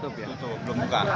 tutup belum buka